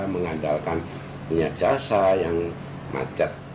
mengandalkan punya jasa yang macet